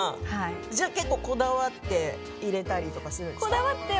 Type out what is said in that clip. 結構こだわっていれたりとかするんですか。